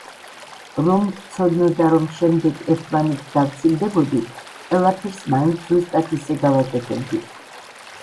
რომ გვცოდნოდა, რომ შემდეგ ერთმანეთს დავცილდებოდით, ყველაფერს მაინც ზუსტად ისე გავაკეთებდით.